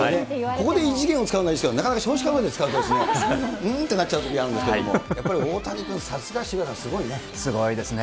ここで異次元を使うのはいいんですけど、なかなか少子化で使うと、うん？ってなっちゃうときあるんですけど、やっぱり大谷君、さすが、すごいですね。